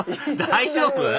大丈夫？